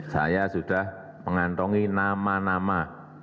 saya sudah mengantongi nama nama